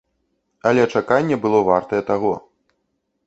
Але чаканне было вартае таго.